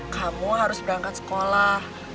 kamu harus berangkat sekolah